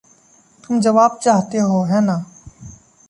तुम जवाब चाहते हो, है ना?